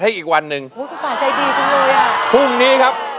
ห่วงนี้ครับ